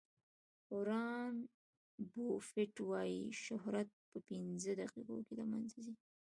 وارن بوفیټ وایي شهرت په پنځه دقیقو کې له منځه ځي.